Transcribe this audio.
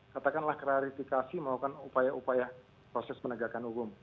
katakanlah klarifikasi melakukan upaya upaya proses penegakan hukum